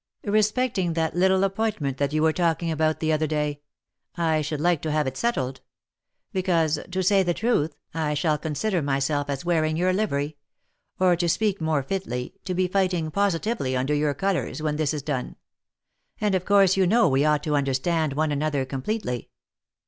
Respecting that little appointment that you were talking about the other day ; I should like to have it settled. Because, to say the truth, I shall consider myself as wearing your livery ; or, to speak more fitly, to be fighting positively under your colours, when this is done ; and of course you know we ought to understand one another completely."